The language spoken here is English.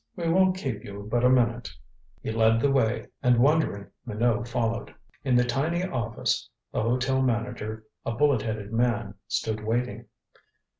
"We won't keep you but a minute " He led the way, and wondering, Minot followed. In the tiny office of the hotel manager a bullet headed man stood waiting.